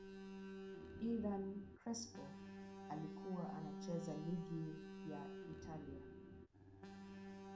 ernan Crespo alikuwa anacheza ligi ya Italia